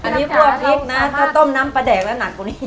อันนี้กลัวพริกนะถ้าต้มน้ำปลาแดกแล้วหนักกว่านี้